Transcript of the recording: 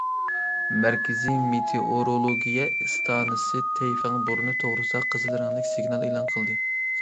مەركىزىي مېتېئورولوگىيە ئىستانسىسى تەيفېڭ بورىنى توغرىسىدا قىزىل رەڭلىك سىگنال ئېلان قىلدى.